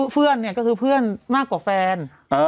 เพื่อนเนี่ยก็คือเพื่อนมากกว่าแฟน